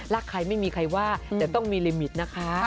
ใครไม่มีใครว่าแต่ต้องมีลิมิตนะคะ